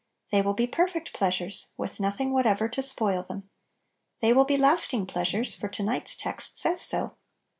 They will be perfect pleasures, with nothing what ever to spoil them. They will be last ing pleasures, for to night's text says so.